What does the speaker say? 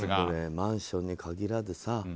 マンションに限らずさ